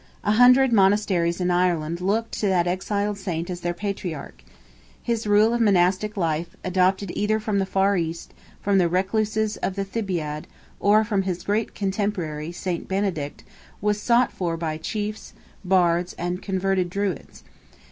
A hundred monasteries in Ireland looked to that exiled saint as their patriarch. His rule of monastic life, adopted either from the far East, from the recluses of the Thebaid, or from his great contemporary, Saint Benedict, was sought for by Chiefs, Bards, and converted Druids.